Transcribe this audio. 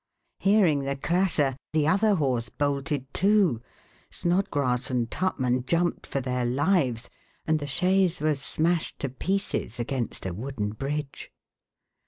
Hearing the clatter the other horse bolted, too. Snodgrass and Tupman jumped for their lives and the chaise was smashed to pieces against a wooden bridge.